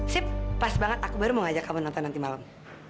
sip pas banget aku baru mau ngajak kamu nonton nanti malam